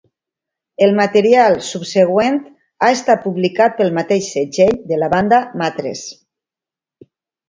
El material subsegüent ha estat publicat pel mateix segell de la banda, Mattress.